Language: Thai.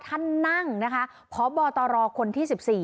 ท่านนั่งพบตรคนที่๑๔